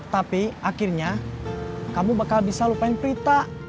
tapi akhirnya kamu bakal bisa lupain prita